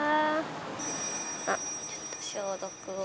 あっちょっと消毒を。